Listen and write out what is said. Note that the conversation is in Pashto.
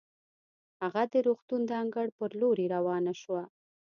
هغه د روغتون د انګړ په لورې روانه شوه.